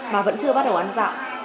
mà vẫn chưa bắt đầu ăn dặm